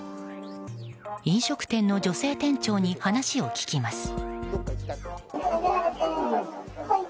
飲食店の女性店長に話を聞きます。